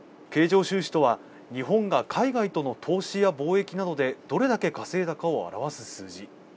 経常収支とは、日本が海外との投資や貿易などでどれだけ稼いだかを表す数字。